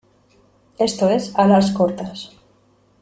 Esto es ‘alas cortas’.